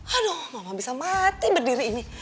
hano mama bisa mati berdiri ini